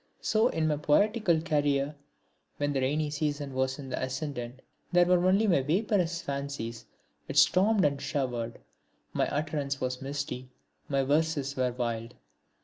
So in my poetical career, when the rainy season was in the ascendant there were only my vaporous fancies which stormed and showered; my utterance was misty, my verses were wild.